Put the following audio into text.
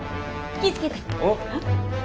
気ぃ付けて。